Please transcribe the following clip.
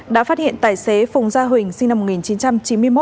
đã phát hiện tài xế phùng gia huỳnh sinh năm một nghìn chín trăm chín mươi một